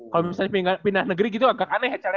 kalau misalnya pindah negeri gitu agak aneh ya caranya